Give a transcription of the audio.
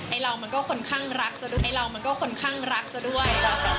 ไอ้เรามันก็ค่อนข้างรักซะด้วย